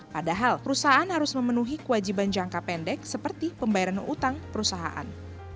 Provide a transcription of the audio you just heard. padahal perusahaan harus memenuhi kewajiban jangka pendek seperti pembayaran utang perusahaan